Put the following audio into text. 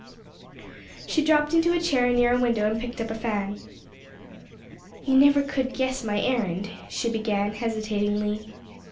She dropped into a chair near a window, and picked up a fan. "You never could guess my errand," she began, hesitatingly.